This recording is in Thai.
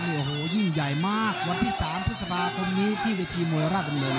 โอ้โหยิ่งใหญ่มากวันที่๓พฤษภาคมนี้ที่เวทีมวยราชดำเนิน